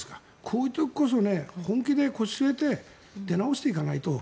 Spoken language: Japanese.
こういう時こそ本気で腰を据えて出直していかないと。